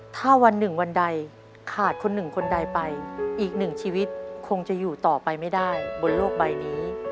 ถ้าวันหนึ่งวันใดขาดคนหนึ่งคนใดไปอีกหนึ่งชีวิตคงจะอยู่ต่อไปไม่ได้บนโลกใบนี้